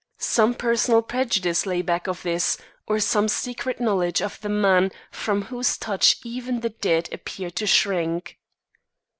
Some personal prejudice lay back of this or some secret knowledge of the man from whose touch even the dead appeared to shrink.